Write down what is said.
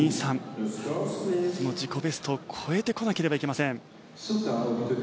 自己ベストを超えてこなければいけません。